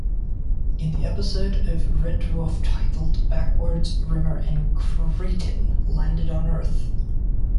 In the episode of "Red Dwarf" titled "Backwards", Rimmer and Kryten landed on Earth.